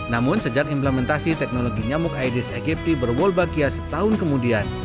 namun sejak implementasi teknologi nyamuk aedes aegypti berwolbakia setahun kemudian